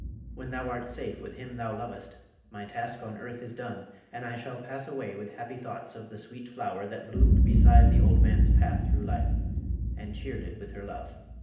When thou art safe with him thou lovest, my task on earth is done, and I shall pass away with happy thoughts of the sweet flower that bloomed beside the old man's path through life, and cheered it with her love.